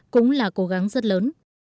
cũng là cố gắng rất lớn